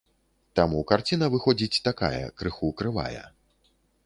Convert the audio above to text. Таму карціна выходзіць такая, крыху крывая.